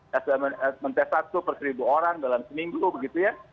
yang sudah men test satu per seribu orang dalam seminggu begitu ya